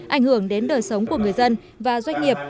ảnh hưởng đến đời sống của người dân và doanh nghiệp